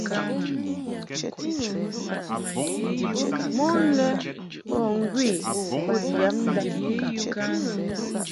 Mon lɛ bo ŋgwi kud yab ndab.